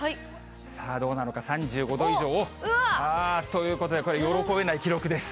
さあ、どうなのか、３５度以上、あー、ということでこれ、喜べない記録です。